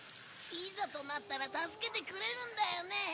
いざとなったら助けてくれるんだよね？